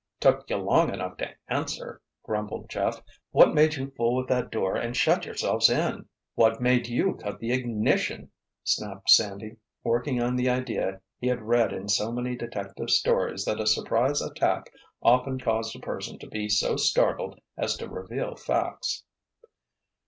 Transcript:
"Took you long enough to answer!" grumbled Jeff. "What made you fool with that door and shut yourselves in?" "What made you cut the ignition!" snapped Sandy, working on the idea he had read in so many detective stories that a surprise attack often caused a person to be so startled as to reveal facts.